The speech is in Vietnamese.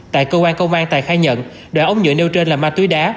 tại cơ quan công an tài khai nhận đoạn ống nhựa nêu trên là ma túy đá